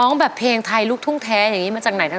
ช่างงามันทำกระเป๋า